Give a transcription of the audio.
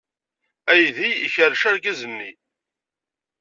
Aydi ikerrec argaz-nni.